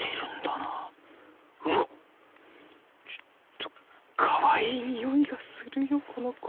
うわっちょっとかわいいにおいがするよこの子。